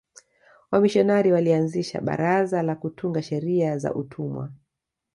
wamishionari walianzisha baraza la kutunga sheria za utumwa